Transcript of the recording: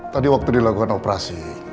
tadi waktu dilakukan operasi